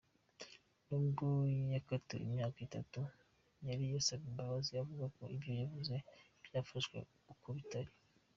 Nubwo yakatiwe imyaka itatu, yari yasabye imbababazi avuga ko ibyo yavuze byafashwe uko bitari.